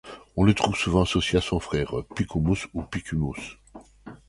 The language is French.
On le trouve souvent associé à son frère Picummus ou Picumnus.